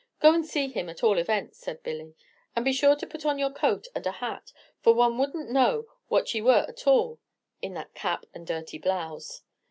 "Go and see him, at all events," said Billy; "and be sure to put on your coat and a hat; for one would n't know what ye were at all, in that cap and dirty blouse."